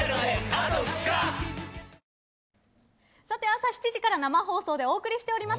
朝７時から生放送でお送りしております